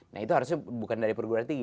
nah itu harusnya bukan dari perguruan tinggi